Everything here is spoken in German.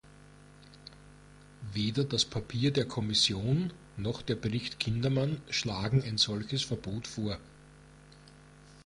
Weder das Papier der Kommission noch der Bericht Kindermann schlagen ein solches Verbot vor.